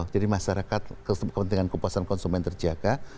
jadi masyarakat kepentingan kepuasan konsumen terjaga